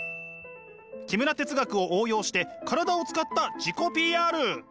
木村哲学を応用して体を使った自己ＰＲ！